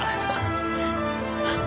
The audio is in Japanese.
あっ。